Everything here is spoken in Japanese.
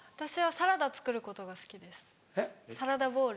サラダボウル。